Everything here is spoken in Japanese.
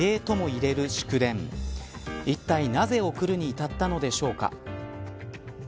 いったい、なぜ送るに至ったのでしょうか。